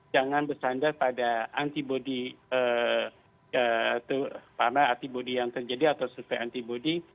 jangan bersandar pada antibody yang terjadi atau sufer antibody